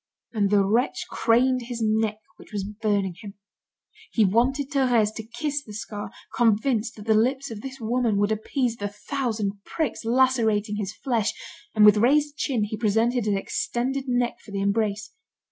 And the wretch craned his neck which was burning him. He wanted Thérèse to kiss the scar, convinced that the lips of this woman would appease the thousand pricks lacerating his flesh, and with raised chin he presented his extended neck for the embrace.